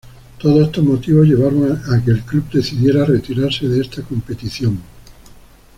Todo estos motivos llevaron a que el club decidiera retirarse de esta competición.